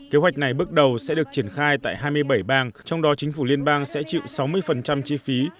kế hoạch này bước đầu sẽ được triển khai tại hai mươi bảy bang trong đó chính phủ liên bang sẽ chịu sáu mươi chi phí